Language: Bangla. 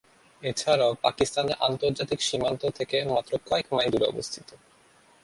এছাড়াও পাকিস্তানের আন্তর্জাতিক সীমান্ত থেকে মাত্র কয়েক মাইল দুরে অবস্থিত।